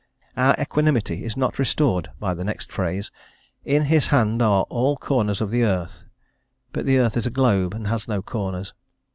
Our equanimity is not restored by the next phrase, "In his hand are all the corners of the earth;" but the earth is a globe, and has no corners.